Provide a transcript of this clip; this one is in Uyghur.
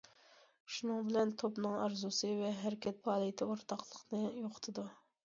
شۇنىڭ بىلەن توپنىڭ ئارزۇسى ۋە ھەرىكەت- پائالىيىتى ئورتاقلىقنى يوقىتىدۇ.